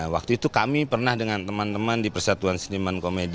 waktu itu kami pernah dengan teman teman di persatuan seniman komedi